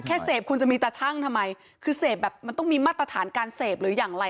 แค่เสพคุณจะมีตาชั่งทำไมคือเสพแบบมันต้องมีมาตรฐานการเสพหรืออย่างไร